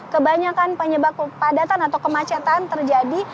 kebanyakan penyebab kepadatan atau kemacetan terjadi